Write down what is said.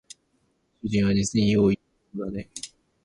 ここの主人はじつに用意周到だね